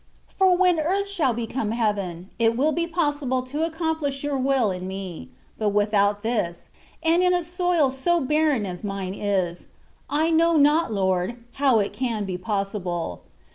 For when earth shall become heaven, it will be possible to accomplish your will in me ; but without this, and in a soil so barren as mine is, I know not. Lord, how it can be possible.